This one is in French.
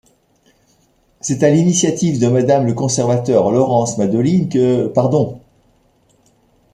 C'est à l'initiative de Madame le conservateur Laurence Madeline, que Pardon!